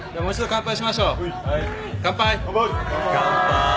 乾杯。